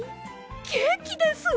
ケーキです！